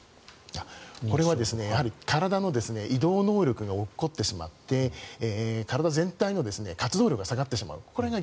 これはやはり体の移動能力が落っこちてしまって体全体の活動量が下がってしまう。